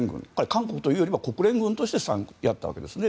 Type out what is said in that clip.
韓国というより国連軍としてやったわけですね。